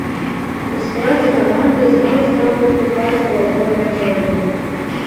У складзе каманды зноў стаў выступаць у апорнай зоне.